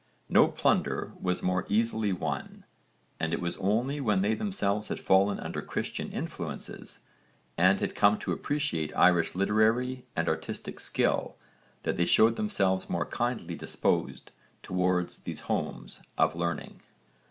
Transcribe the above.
No plunder was more easily won, and it was only when they themselves had fallen under Christian influences and had come to appreciate Irish literary and artistic skill that they showed themselves more kindly disposed towards these homes of learning.